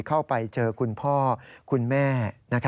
เข้าไปเจอคุณพ่อคุณแม่